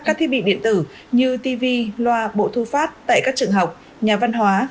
các thiết bị điện tử như tv loa bộ thu phát tại các trường học nhà văn hóa